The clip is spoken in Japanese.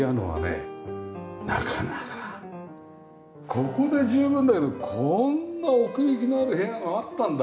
ここで十分だけどこんな奥行きのある部屋があったんだ。